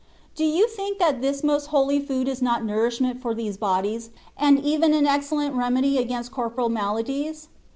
Do you think that this most holy food is not nourishment for these bodies, and an excellent remedy even against corporal maladies?